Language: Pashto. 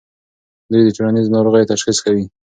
دوی د ټولنیزو ناروغیو تشخیص کوي.